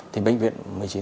thì bệnh viện